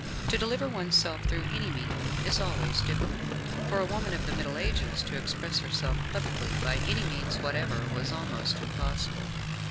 To deliver oneself through any medium is always difficult. For a woman of the Middle Ages to express herself publicly by any means whatever was almost impossible.